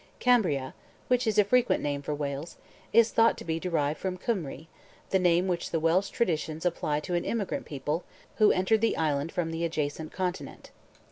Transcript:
Cambria, which is a frequent name for Wales, is thought to be derived from Cymri, the name which the Welsh traditions apply to an immigrant people who entered the island from the adjacent continent.